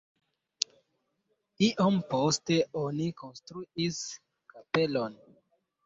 Iom poste oni konstruis kapelon.